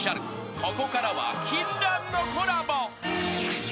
［ここからは禁断のコラボ］